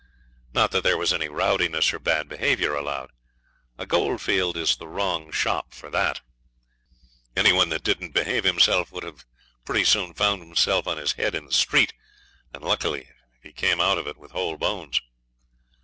Not that there was any rowdiness or bad behaviour allowed. A goldfield is the wrong shop for that. Any one that didn't behave himself would have pretty soon found himself on his head in the street, and lucky if he came out of it with whole bones.